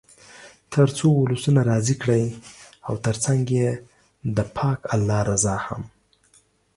تر څو ولسونه راضي کړئ او تر څنګ یې د پاک الله رضا هم.